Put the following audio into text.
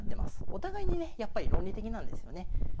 お互いにねやっぱり論理的なんですよね。